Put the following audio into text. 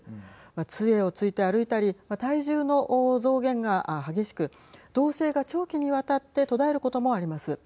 つえをついて歩いたり体重の増減が激しく動静が長期にわたって途絶えることもあります。